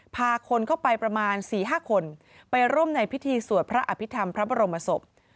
พาคนเข้าไปประมาณ๔๕คนไปร่วมในพิธีสวดพระอภิษฐรรมพระบรมศพ